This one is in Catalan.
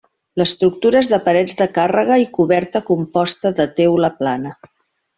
L'estructura és de parets de càrrega i coberta composta de teula plana.